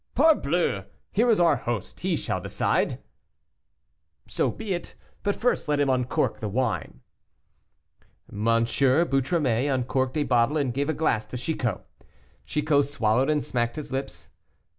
"Parbleu! here is our host, he shall decide." "So be it, but first let him uncork the wine." M. Boutromet uncorked a bottle and gave a glass to Chicot. Chicot swallowed and smacked his lips.